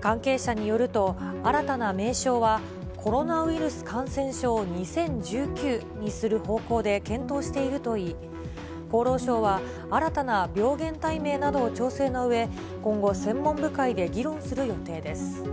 関係者によると、新たな名称は、コロナウイルス感染症２０１９にする方向で検討しているといい、厚労省は、新たな病原体名などを調整のうえ、今後、専門部会で議論する予定です。